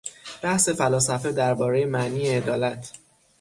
بحث فلاسفه دربارهی معنی عدالت